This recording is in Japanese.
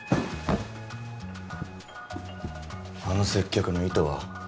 あの接客の意図は？